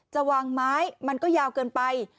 จะวางไม้มันก็ยาวเกินไป